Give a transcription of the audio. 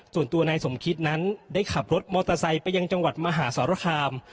ส่วนตัวนายสมคิดนั้นได้ขับรถมอเตอร์ไซค์ไปยังจังหวัดมหาสารคาม